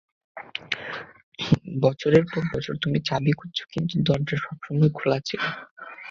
বছরের পর বছর তুমি চাবি খুঁজছো, কিন্তু দরজা সবসময়ই খোলা ছিল।